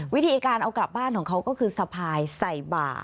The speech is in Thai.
วิธีการเอากลับบ้านของเขาก็คือสะพายใส่บ่า